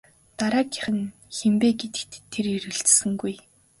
Дараагийнх нь хэн бэ гэдэгт тэр эргэлзсэнгүй.